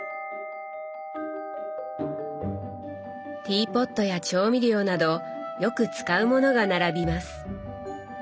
ティーポットや調味料などよく使うものが並びます。